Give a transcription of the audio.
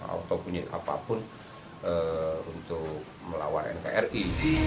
atau punya apapun untuk melawan nkri